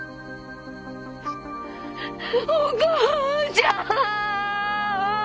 お母ちゃん！